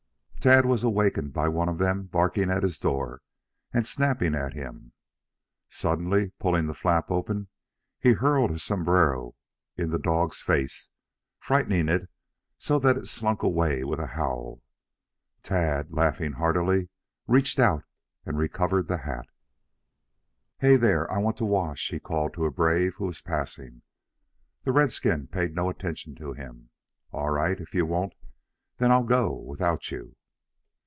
Tad was awakened by one of them barking at his door and snapping at him. Suddenly pulling his flap open, he hurled his sombrero in the dog's face, frightening it, so that it slunk away with a howl. Tad, laughing heartily, reached out and recovered the hat. "Hey, there, I want to wash," he called to a brave who was passing. The redskin paid no attention to him. "All right, if you won't, then I'll go without you."